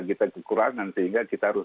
kita kekurangan sehingga kita harus